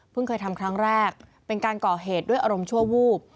เคยทำครั้งแรกเป็นการก่อเหตุด้วยอารมณ์ชั่ววูบ